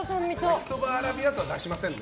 焼きそば、アラビアータは出しませんね。